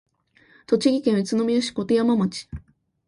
栃木県宇都宮市鐺山町